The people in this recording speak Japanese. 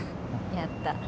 やった。